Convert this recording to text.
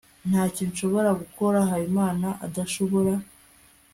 ntacyo nshobora gukora habimana adashobora